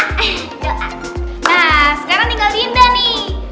nah sekarang tinggal dinda nih